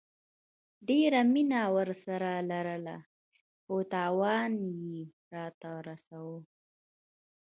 ډيره مينه ورسره لرله خو تاوان يي راته رسوو